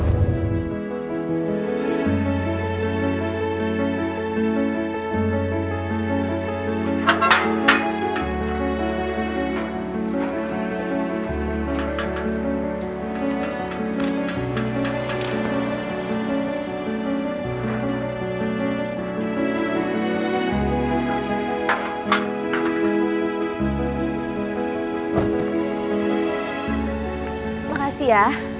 terima kasih ya